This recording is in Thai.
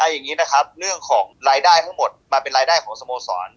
อย่างนี้นะครับเรื่องของรายได้ทั้งหมดมาเป็นรายได้ของสโมสร